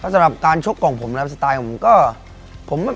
สำหรับการชกของผมสไตล์ของผมก็